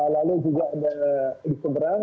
lalu juga di seberang